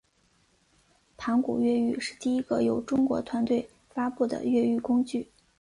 盘古越狱是第一个由中国团队发布的越狱工具。